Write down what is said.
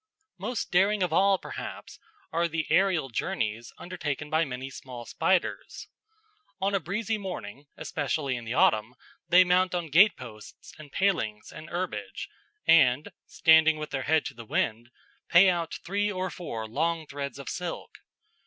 Most daring of all, perhaps, are the aerial journeys undertaken by many small spiders. On a breezy morning, especially in the autumn, they mount on gate posts and palings and herbage, and, standing with their head to the wind, pay out three or four long threads of silk.